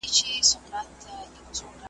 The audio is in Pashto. زور یې نه وو د شهپر د وزرونو .